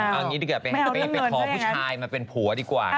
เอางี้แค่กระเปยไปขอผู้ชายมาเป็นผัวดีกว่าน